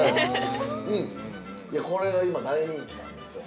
これが今、大人気なんですよね。